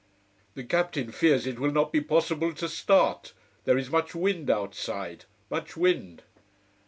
"The captain fears it will not be possible to start. There is much wind outside. Much wind!"